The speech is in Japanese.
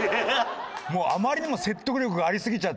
もうあまりにも説得力がありすぎちゃって。